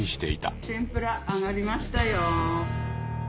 天ぷら揚がりましたよ。